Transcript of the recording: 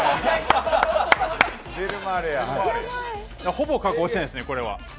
ほぼ加工してないですね、これは。